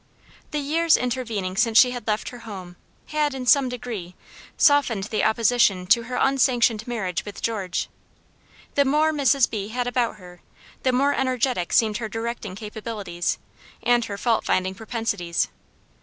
The years intervening since she had left her home, had, in some degree, softened the opposition to her unsanctioned marriage with George. The more Mrs. B. had about her, the more energetic seemed her directing capabilities, and her fault finding propensities.